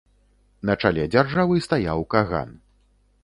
На чале дзяржавы стаяў каган.